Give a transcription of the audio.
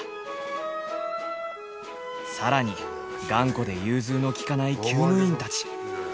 更に頑固で融通の利かないきゅう務員たち。